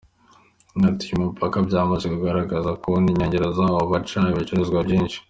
Yagize Ati “Uyu mupaka byamaze kugaragara ko wo n’inkengero zawo haca ibicuruzwa byinshi.